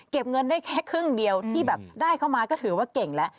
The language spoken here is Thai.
เงินได้แค่ครึ่งเดียวที่แบบได้เข้ามาก็ถือว่าเก่งแล้ว